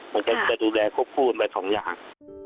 มันก็จะดูแลควบคุ้นไป๒อย่าง